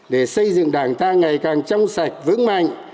để xây dựng đảng ta ngày càng trong sạch vững mạnh